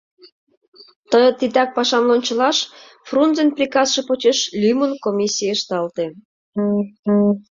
Ты титак пашам лончылаш Фрунзен приказше почеш лӱмын комиссий ышталте.